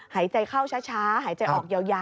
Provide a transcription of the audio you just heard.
หายใจเข้าช้าหายใจออกยาว